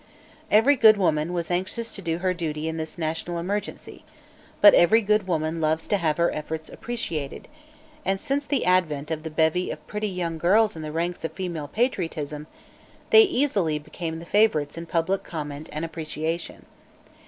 Every good woman was anxious to do her duty in this national emergency, but every good woman loves to have her efforts appreciated, and since the advent of the bevy of pretty young girls in the ranks of female patriotism, they easily became the favorites in public comment and appreciation.